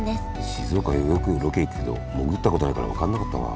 静岡へよくロケ行くけど潜ったことないから分かんなかったわ。